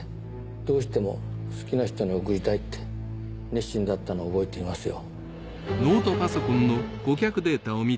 どうしても好きな人に送りたいって熱心だったの覚えていますよ。